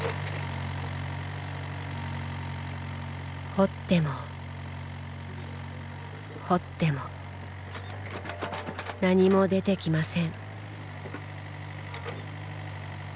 掘っても掘っても何も出てきません。